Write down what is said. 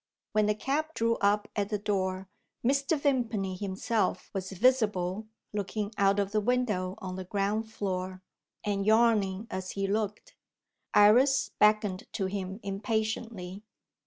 When the cab drew up at the door Mr. Vimpany himself was visible, looking out of the window on the ground floor and yawning as he looked. Iris beckoned to him impatiently.